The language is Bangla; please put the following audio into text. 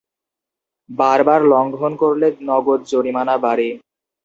বারবার লঙ্ঘন করলে নগদ জরিমানা বাড়ে।